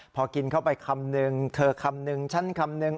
พอกินเข้าไปคำนึงเธอคำนึงฉันคำนึง